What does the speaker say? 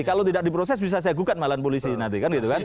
kalau tidak diproses bisa saya gugat malah polisi nanti